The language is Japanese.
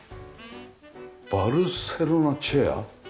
バルセロナチェア？